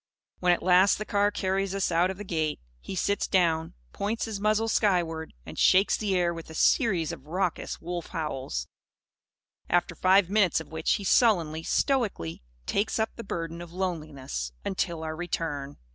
When at last the car carries us out of the gate, he sits down, points his muzzle skyward, and shakes the air with a series of raucous wolf howls. After five minutes of which, he sullenly, stoically, takes up the burden of loneliness until our return.